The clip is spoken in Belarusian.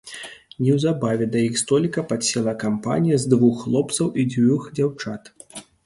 Неўзабаве да іх століка падсела кампанія з двух хлопцаў і дзвюх дзяўчат.